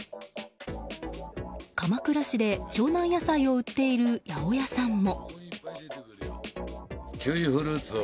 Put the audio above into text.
鎌倉市で湘南野菜を売っている八百屋さんも。